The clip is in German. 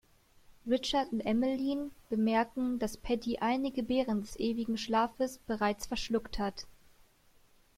Richard und Emmeline bemerken, dass Paddy einige „Beeren des ewigen Schlafes“ bereits verschluckt hat.